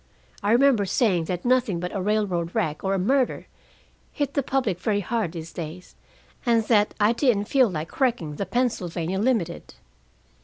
I remember saying that nothing but a railroad wreck or a murder hit the public very hard these days, and that I didn't feel like wrecking the Pennsylvania Limited.